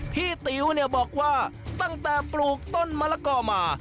ติ๋วบอกว่าตั้งแต่ปลูกต้นมะละกอมา